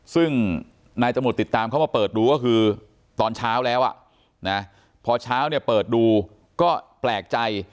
ซึ่งนายตำรวจติดตามเข้ามาเปิดดูก็คือตอนเช้าแล้วพอเช้าเนี่ยเปิดดูก็แปลกใจ